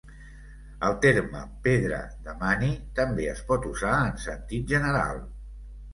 El terme pedra de Mani també es pot usar, en sentit general.